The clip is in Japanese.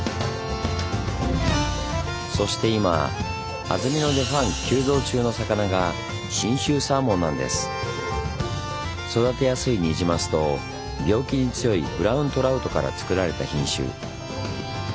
そして今安曇野でファン急増中の魚が育てやすいニジマスと病気に強いブラウントラウトからつくられた品種。